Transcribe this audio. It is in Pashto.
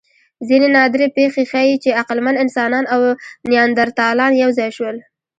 ځینې نادرې پېښې ښيي، چې عقلمن انسانان او نیاندرتالان یو ځای شول.